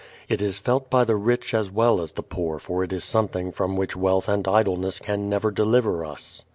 It is felt by the rich as well as the poor for it is something from which wealth and idleness can never deliver us.